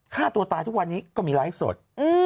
ฆ่าตัวตายทุกวันนี้ก็มีรายรอบนี้สด